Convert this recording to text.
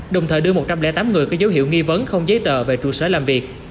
đồng thời đưa một trăm linh tám người có dấu hiệu nghi vấn không giấy tờ về trụ sở làm việc